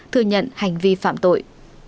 thừa nhận hành vi phạm tội